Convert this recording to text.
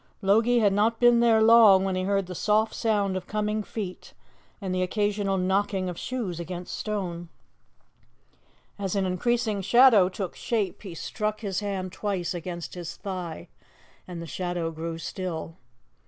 Logie had not been there long when he heard the soft sound of coming feet, and the occasional knocking of shoes against stone. As an increasing shadow took shape, he struck his hand twice against his thigh, and the shadow grew still.